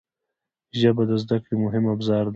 ژبه د زده کړې مهم ابزار دی